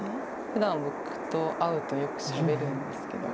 ふだん僕と会うとよくしゃべるんですけど。